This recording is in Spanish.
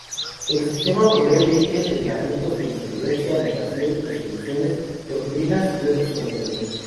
El sistema provee leyes, reglamentos, jurisprudencia, anotaciones, resoluciones, doctrinas y otros contenidos.